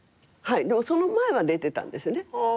でもその前は出てたんですね。